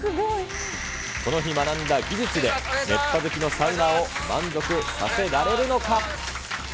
この日学んだ技術で、熱波好きのサウナーを満足させられるのか。